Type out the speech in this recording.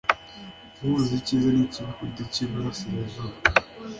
guhuza icyiza n'ikibi ku giti cy'iburasirazuba